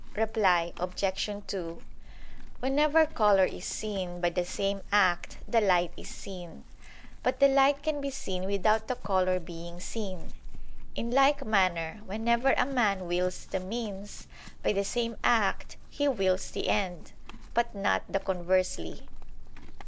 Reply Obj. 2: Whenever color is seen, by the same act the light is seen; but the light can be seen without the color being seen. In like manner whenever a man wills the means, by the same act he wills the end; but not the conversely.